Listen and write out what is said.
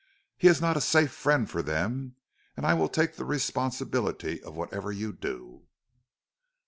He is not a safe friend for them, and I will take the responsibility of whatever you do."